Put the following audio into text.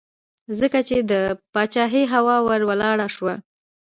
ځکه یې د پاچهۍ هوا ور ولاړه شوه.